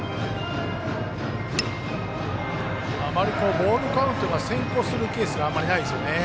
ボールカウントが先行するケースがあまりないですね。